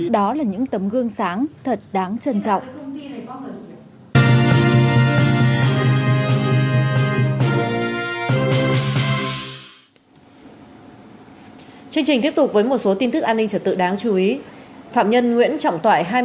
đó là những tấm gương sáng thật đáng trân trọng